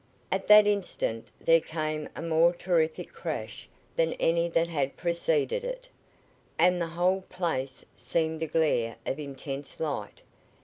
At that instant there came a more terrific crash than any that had preceded it, and the whole place seemed a glare of intense light.